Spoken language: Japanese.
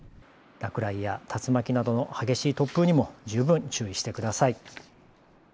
落雷や竜巻などの激しい突風にも十分注意してください。